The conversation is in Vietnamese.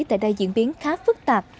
tại đây diễn biến khá phức tạp